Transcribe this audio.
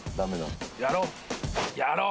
やろう。